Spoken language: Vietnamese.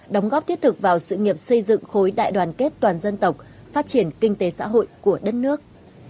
đóng góp thiết thực vào sự nghiệp xây dựng khối đại đoàn kết toàn dân tộc phát triển kinh tế xã hội của đất nước